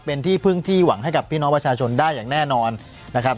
เป็นที่พึ่งที่หวังให้กับพี่น้องประชาชนได้อย่างแน่นอนนะครับ